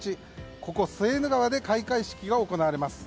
ここ、セーヌ川で開会式が行われます。